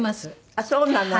あっそうなの？